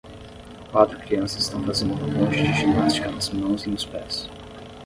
Quatro crianças estão fazendo uma ponte de ginástica nas mãos e nos pés.